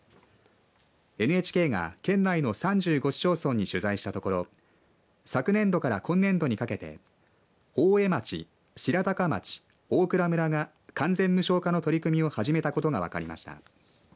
ＮＨＫが県内の３５市町村に取材したところ昨年度から今年度にかけて大江町、白鷹町、大蔵村が完全無償化の取り組みを始めたことが分かりました。